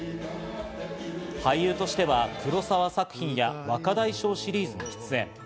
俳優としては黒澤作品や『若大将』シリーズに出演。